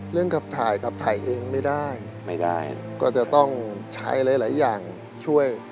ขับถ่ายกับถ่ายเองไม่ได้ไม่ได้ก็จะต้องใช้หลายอย่างช่วย